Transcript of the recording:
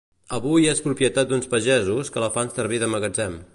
Avui és propietat d'uns pagesos que la fan servir de magatzem.